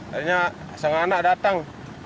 akhirnya seorang anak datang